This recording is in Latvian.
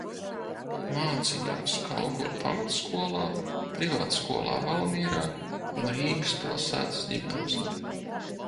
Mācījās Kauguru pamatskolā, privātskolā Valmierā un Rīgas pilsētas ģimnāzijā.